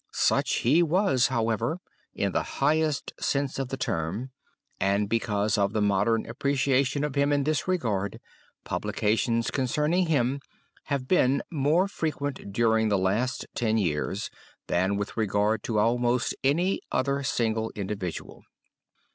Such he was, however, in the highest sense of the term and because of the modern appreciation of him in this regard, publications concerning him have been more frequent during the last ten years than with regard to almost any other single individual.